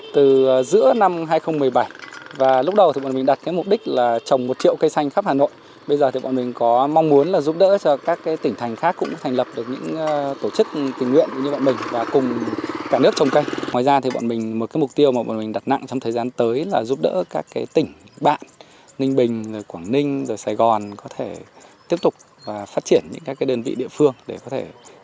trong và ngoại thành